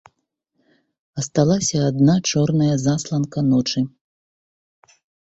Асталася адна чорная засланка ночы.